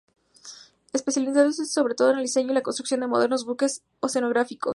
Especializándose sobre todo en el diseño y la construcción de modernos buques oceanográficos.